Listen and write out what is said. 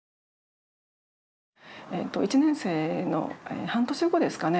１年生の半年後ですかね